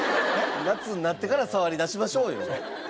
夏になってから触りだしましょうよ。